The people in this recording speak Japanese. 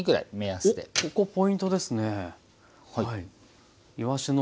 おっここポイントですね。